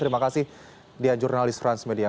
terima kasih dian jurnalis transmedia